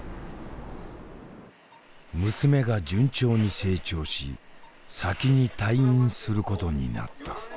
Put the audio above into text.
娘が順調に成長し先に退院することになった。